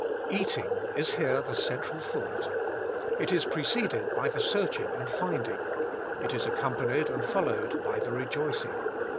Eating is here the central thought. It is pre ceded by the searching and finding: it is accom panied and followed by the rejoicing.